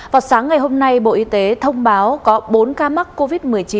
vào sáng ngày hôm nay bộ y tế thông báo có bốn ca mắc covid một mươi chín